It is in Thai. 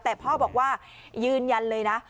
แต่พ่อบอกว่ายืนยันเลยนะ